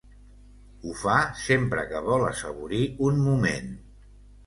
Ho fa sempre que vol assaborir un moment.